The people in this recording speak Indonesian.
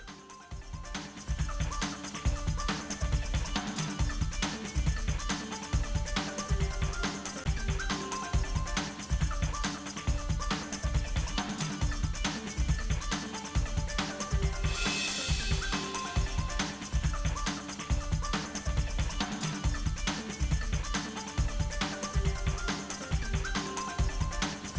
terima kasih banyak